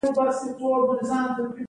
پانګوال د کارګرانو د تېر ایستلو لپاره وايي